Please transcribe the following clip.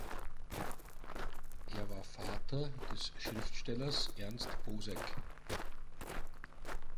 Er war Vater des Schriftstellers Ernst Poseck.